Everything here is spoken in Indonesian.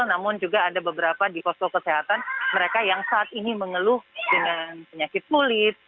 namun juga ada beberapa di posko kesehatan mereka yang saat ini mengeluh dengan penyakit kulit